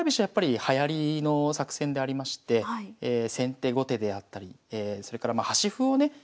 やっぱりはやりの作戦でありまして先手後手であったりそれからまあ端歩をね